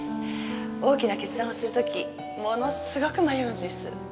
大きな決断をする時ものすごく迷うんです。